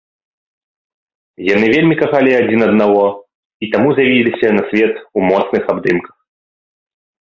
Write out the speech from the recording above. Яны вельмі кахалі адзін аднаго і таму з'явіліся на свет у моцных абдымках.